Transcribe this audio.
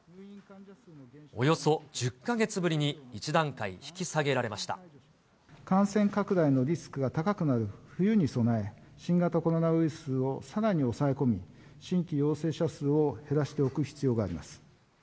およそ１０か月ぶりに１段階感染拡大のリスクが高くなる冬に備え、新型コロナウイルスをさらに抑え込み、新規陽性者数を減らしておく必要があります。